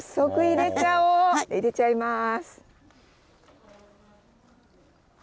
入れちゃいます。